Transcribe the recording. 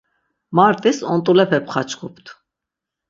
Mart̆is ont̆ulepe pxaçkupt.